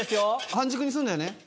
半熟にするんだよね。